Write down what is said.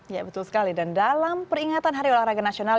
ya betul sekali dan dalam peringatan hari olahraga nasional